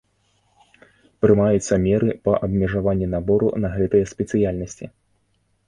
Прымаюцца меры па абмежаванні набору на гэтыя спецыяльнасці.